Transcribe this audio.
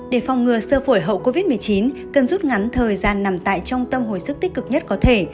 để phòng ngừa sơ phổi hậu covid một mươi chín cần rút ngắn thời gian nằm tại trung tâm hồi sức tích cực nhất có thể